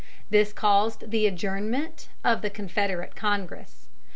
This caused the adjournment of the Confederate Congress.